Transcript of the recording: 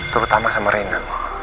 terutama sama reina